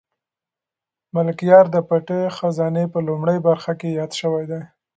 ملکیار د پټې خزانې په لومړۍ برخه کې یاد شوی دی.